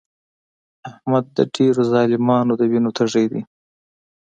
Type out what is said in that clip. احمد د ډېرو ظالمانو د وینو تږی دی.